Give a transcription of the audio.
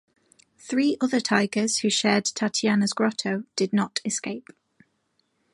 Three other tigers who shared Tatiana's grotto did not escape.